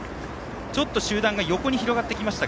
ちょっと集団が横に広がってきました。